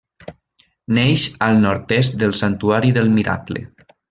Neix al nord-est del Santuari del Miracle.